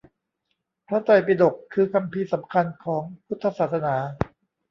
พระไตรปิฎก คือคัมภีร์สำคัญของพุทธศาสนา